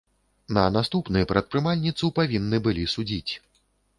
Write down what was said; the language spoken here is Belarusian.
На наступны прадпрымальніцу павінны былі судзіць.